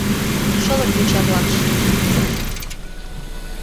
Шылыт йоча-влакше.